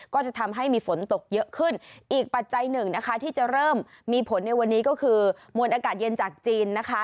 ก็จะทำให้มีฝนตกเยอะขึ้นอีกปัจจัยหนึ่งนะคะที่จะเริ่มมีผลในวันนี้ก็คือมวลอากาศเย็นจากจีนนะคะ